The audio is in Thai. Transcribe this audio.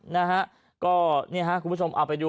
นะฮะก็เนี่ยฮะคุณผู้ชมเอาไปดู